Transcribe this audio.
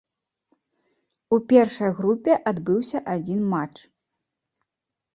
У першай групе адбыўся адзін матч.